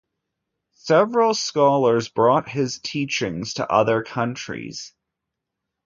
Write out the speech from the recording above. Several scholars brought his teachings to other countries.